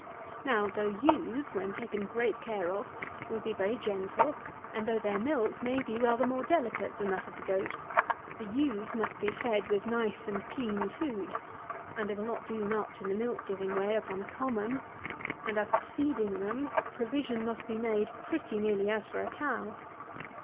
Now, though ewes, when taken great care of, will be very gentle, and though their milk may be rather more delicate than that of the goat, the ewes must be fed with nice and clean food, and they will not do much in the milk giving way upon a common; and, as to feeding them, provision must be made pretty nearly as for a cow.